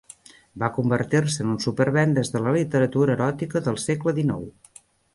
Va convertir-se en un supervendes de la literatura eròtica del segle dinou.